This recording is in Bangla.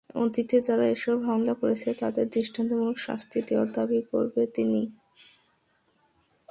অতীতে যারা এসব হামলা করেছে, তাদের দৃষ্টান্তমূলক শাস্তি দেওয়ার দাবি করেন তিনি।